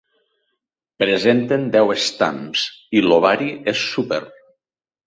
Presenten deu estams i l'ovari és súper.